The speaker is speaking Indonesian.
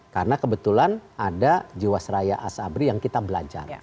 karena kebetulan ada jiwa seraya asabri yang kita belajar